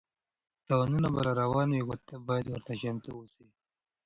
تاوانونه به راروان وي خو ته باید ورته چمتو اوسې.